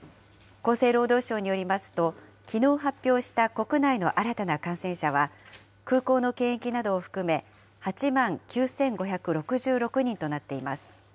厚生労働省によりますと、きのう発表した国内の新たな感染者は、空港の検疫などを含め、８万９５６６人となっています。